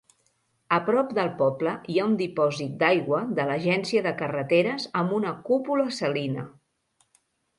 A prop del poble hi ha un dipòsit d'aigua de l'Agència de Carreteres amb una cúpula salina.